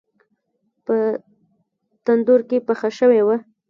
په تندور کې پخه شوې وه.